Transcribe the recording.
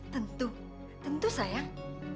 tentu tentu sayang